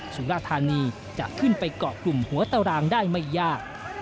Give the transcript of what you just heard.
สุราธานีจะขึ้นไปเกาะกลุ่มหัวตารางได้ไม่ยาก